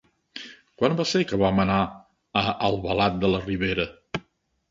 Quan va ser que vam anar a Albalat de la Ribera?